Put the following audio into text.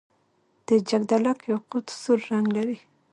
د جګدلک یاقوت سور رنګ لري.